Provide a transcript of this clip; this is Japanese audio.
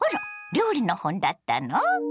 料理の本だったの？